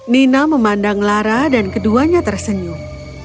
nina memandang lara dan keduanya tersenyum